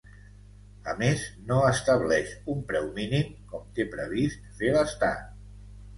A més, no estableix un preu mínim com té previst fer l'Estat.